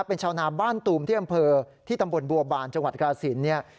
เป็นชาวนาบ้านตูมที่อำเภอที่ตำบลบัวบานจังหวัดกราศิลป์เนี่ย